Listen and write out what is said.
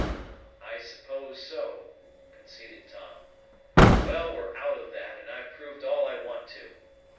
"I suppose so," conceded Tom. "Well, we're out of that, and I've proved all I want to."